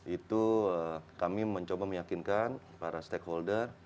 itu kami mencoba meyakinkan para stakeholder